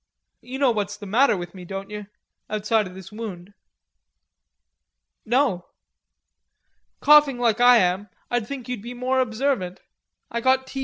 "You know what's the matter with me, don't yer, outside o' this wound?" "No." "Coughing like I am, I'd think you'd be more observant. I got t.b.